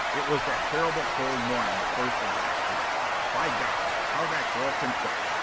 It was that terrible cold morning the first of last week. By gosh, how that girl can cook!